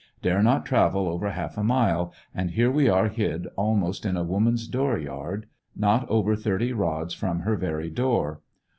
Dare not travel over half a mile, and here we are hid almost in a woman's door yard, not over thirty rods from her very door.